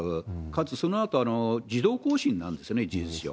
かつ、そのあと自動更新なんですね、事実上。